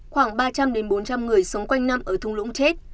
khoảng ba trăm linh bốn trăm linh người sống quanh năm ở thung lũng chết